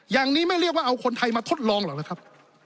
อย่างนี้ไม่เรียกว่าเอาคนไทยมาทดลองหรอกหรือครับ